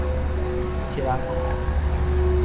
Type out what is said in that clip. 拭仔糊